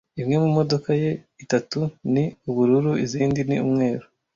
Imwe mumodoka ye itatu ni ubururu izindi ni umweru.